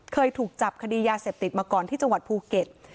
เคยถูกจับคดียาเสพติดมาก่อนที่จังหวัดภูเก็ต